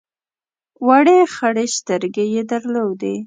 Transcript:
وړې خړې سترګې یې درلودې.